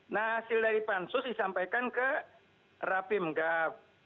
nah hasil dari pansus disampaikan ke rapim gap